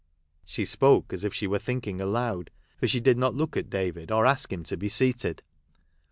She spoke as if she were thinking aloud, for she did not look at David, or ask him to be seated.